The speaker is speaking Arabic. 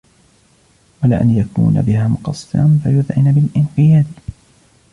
وَلَأَنْ يَكُونَ بِهَا مُقَصِّرًا فَيُذْعِنُ بِالِانْقِيَادِ